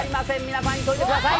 皆さん急いでください。